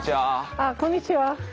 あっこんにちは。